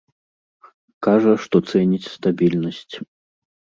Кажа, што цэніць стабільнасць.